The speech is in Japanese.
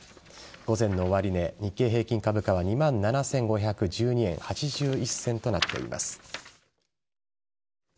午前の終値、日経平均株価は２万７５１２円８１銭となっています。